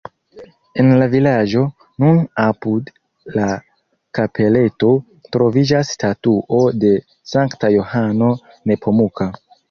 En la vilaĝo, nun apud la kapeleto, troviĝas statuo de Sankta Johano Nepomuka.